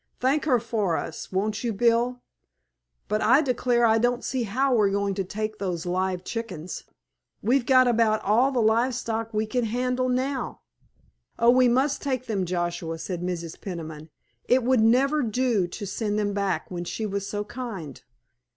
"Thank her for us, won't you, Bill? But I declare I don't see how we are going to take those live chickens! We've got about all the live stock we can handle now." "Oh, we must take them, Joshua," said Mrs. Peniman. "It would never do to send them back when she was so kind.